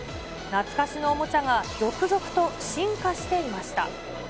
懐かしのおもちゃが続々と進化していました。